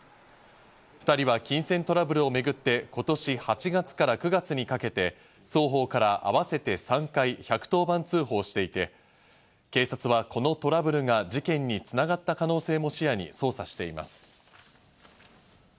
２人は金銭トラブルをめぐって今年８月から９月にかけて双方から合わせて３回、１１０番通報していて、警察はこのトラブルが事件に繋がった可能性も視野に捜査しています。